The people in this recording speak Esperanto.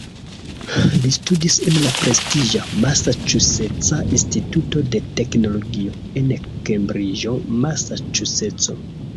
Li studis en la prestiĝa "Masaĉuseca Instituto de Teknologio" en Kembriĝo, Masaĉuseco.